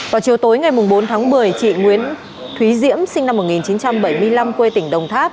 vào chiều tối ngày bốn tháng một mươi chị nguyễn thúy diễm sinh năm một nghìn chín trăm bảy mươi năm quê tỉnh đồng tháp